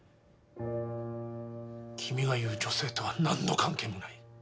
君が言う女性とは何の関係もない。